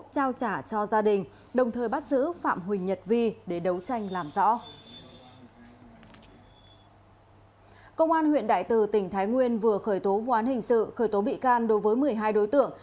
công an huyện đại từ tỉnh thái nguyên vừa khởi tố vụ án hình sự khởi tố bị can đối với một mươi hai đối tượng